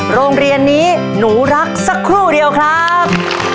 โรงเรียนนี้หนูรักสักครู่เดียวครับ